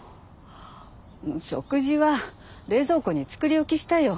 食事は冷蔵庫に作り置きしたよ。